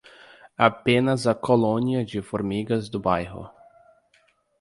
Apenas a colônia de formigas do bairro.